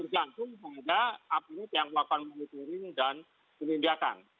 tergantung pada apelit yang dilakukan monitoring dan penelitian